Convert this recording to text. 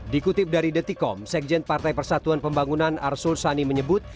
dikutip dari detikom sekjen partai persatuan pembangunan arsul sani menyebut